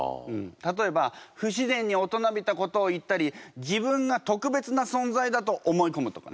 例えば不自然に大人びたことを言ったり自分が特別な存在だと思いこむとかね。